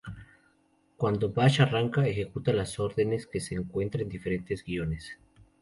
Cuando Bash arranca, ejecuta las órdenes que se encuentran en diferentes guiones.